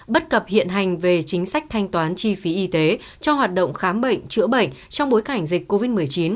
bất cập hiện hành về chính sách thanh toán chi phí y tế cho hoạt động khám bệnh chữa bệnh trong bối cảnh dịch covid một mươi chín